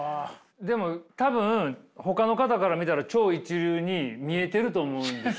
でも多分ほかの方から見たら超一流に見えてると思うんですよ。